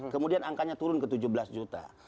kemudian angkanya turun ke tujuh belas juta